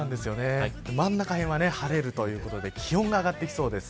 真ん中へんは晴れるということで気温が上がってきそうです。